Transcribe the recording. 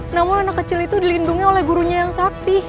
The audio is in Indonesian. namun anak kecil itu dilindungi oleh gurunya yang sakti